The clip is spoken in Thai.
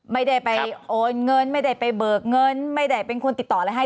ไม่ได้ไปโอนเงินไม่ได้ไปเบิกเงินไม่ได้เป็นคนติดต่ออะไรให้